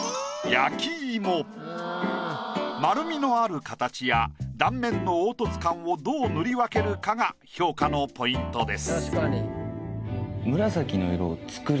丸みのある形や断面の凹凸感をどう塗り分けるかが評価のポイントです。